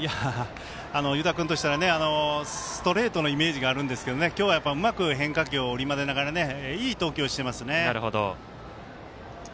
湯田君としたらストレートのイメージがあるんですが今日はやっぱりうまく変化球を織り交ぜながらいい投球をしてますね。